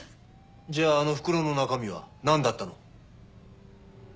じゃああの袋の中身はなんだったの？